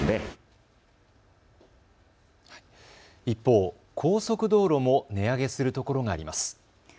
一方、高速道路も値上げするところがあります。